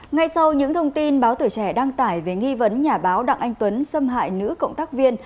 ngay sau những thông tin báo tuổi trẻ đăng tải về nghi vấn nhà báo đặng anh tuấn xâm hại nữ cộng tác viên